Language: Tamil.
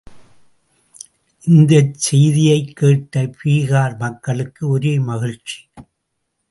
இந்த செய்தியைக் கேட்ட பீகார் மக்களுக்கு ஒரே மகிழ்ச்சி.